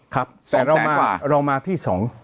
แต่เรามาที่๒